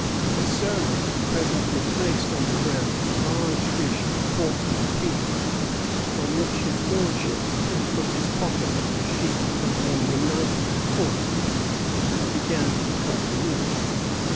A servant presently placed on the ground a large dish of pork and peas, on which his lordship took from his pocket a sheath containing a knife and fork and began to cut the meat.